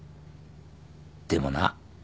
でもな